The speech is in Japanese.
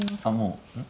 うん？